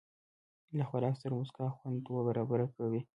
له خوراک سره موسکا، خوند دوه برابره کوي.